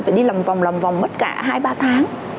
phải đi lầm vòng lầm vòng mất cả hai ba tháng